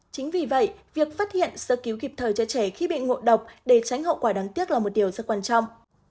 chính vì vậy việc phát hiện sơ cứu kịp thời cho trẻ khi bị ngộ độc để tránh hậu quả đáng tiếc là một điều rất quan trọng